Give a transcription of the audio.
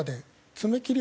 爪切り？